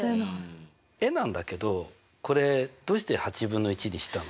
「エ」なんだけどこれどうしてにしたの？